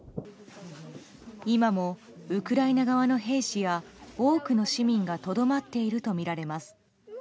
今もウクライナ側の兵士や多くの市民がとどまっているとみられます。